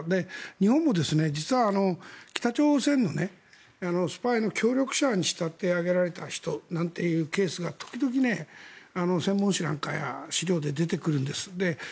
日本も実は、北朝鮮のスパイの協力者に仕立て上げられた人というケースが時々、専門誌なんかや資料で出てくるんです。